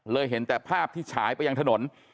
เห็นแต่ภาพที่ฉายไปยังถนน